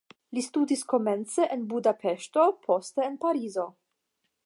Li studis komence en Budapeŝto, poste en Parizo.